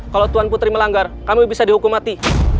kalau tuan putri melanggar kami bisa dihukum mati